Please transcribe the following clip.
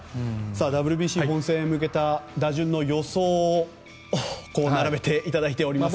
ＷＢＣ本戦へ向けた打順の予想を並べていただいておりますが。